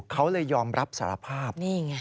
เขายอมรับสารภาพ